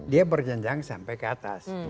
dia berjenjang sampai ke atas